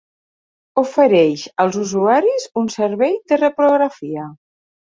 Ofereix als usuaris un servei de reprografia.